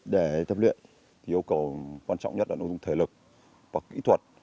để tập luyện yêu cầu quan trọng nhất là nội dung thể lực và kỹ thuật